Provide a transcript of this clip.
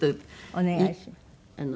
お願いします。